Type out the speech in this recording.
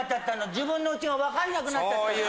自分のうちが分かんなくなっちゃったの。